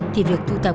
thì việc thu thập